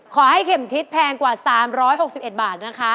ขอให้เข็มทิศแพงกว่า๓๖๑บาท